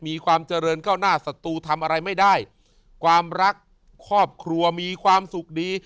มีความเจริญก้าวหน้าศัตรูทำอะไรไม่ได้ความรักครอบครัวมีความสุขดี